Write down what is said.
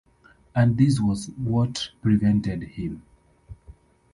And this was what prevented him.